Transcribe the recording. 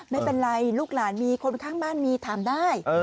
ไม่เป็นไรลูกหลานมีคนข้างบ้านมีถามได้